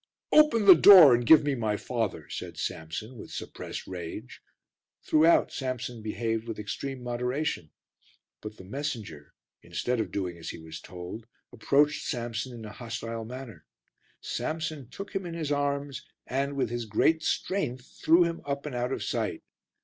"Open the door and give me my father," said Samson with suppressed rage. Throughout Samson behaved with extreme moderation. But the messenger, instead of doing as he was told, approached Samson in a hostile manner. Samson took him in his arms and, with his great strength, threw him up and out of sight.